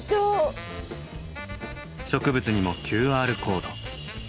植物にもＱＲコード。